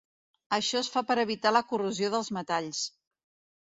Això es fa per evitar la corrosió dels metalls.